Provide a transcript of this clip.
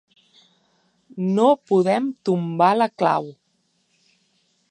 No podem tombar la clau.